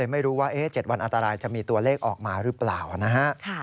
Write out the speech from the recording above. ไม่รู้ว่า๗วันอันตรายจะมีตัวเลขออกมาหรือเปล่านะฮะ